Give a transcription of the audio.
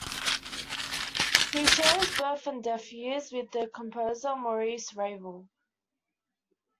He shares birth and death years with the composer Maurice Ravel.